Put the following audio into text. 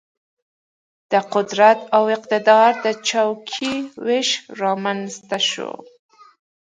د قدرت او اقتدار د چوکیو وېش رامېنځته شو.